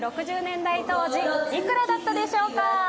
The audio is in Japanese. いくらだったでしょうか。